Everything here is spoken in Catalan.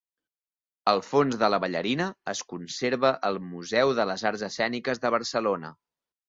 El fons de la ballarina es conserva al Museu de les Arts Escèniques de Barcelona.